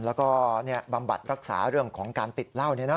แล้วก็บำบัดรักษาเรื่องของการติดเล่าเนี่ยนะ